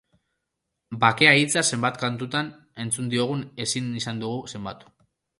Bakea hitza zenbat kantutan entzun diogun ezin izan dugu zenbatu.